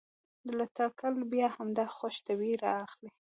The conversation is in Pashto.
له تکل بیا همدا خوش طبعي رااخلي.